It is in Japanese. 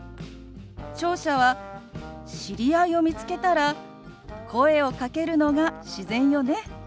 聴者は知り合いを見つけたら声をかけるのが自然よね。